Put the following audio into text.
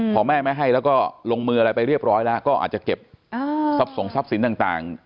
พอแม่ไม่ให้แล้วก็ลงมืออะไรไปเรียบร้อยแล้วก็อาจจะเก็บทรัพย์ส่งทรัพย์สินต่าง